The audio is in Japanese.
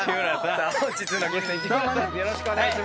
よろしくお願いします。